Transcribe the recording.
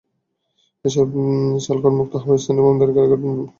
এসব চাল করমুক্ত হওয়ায় স্থানীয় আমদানিকারকেরা নতুন প্রক্রিয়ায় বাজারে চাল বিক্রি করছেন।